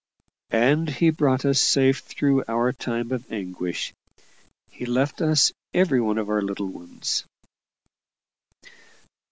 And He brought us safe through our time of anguish: He left us every one of our little ones.